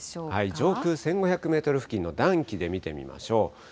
上空１５００メートル付近の暖気で見ていきましょう。